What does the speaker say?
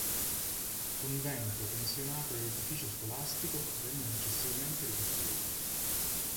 Convento, pensionato ed edificio scolastico vennero successivamente ricostruiti.